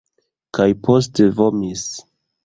Kaj poste vomis.